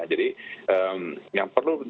jadi yang perlu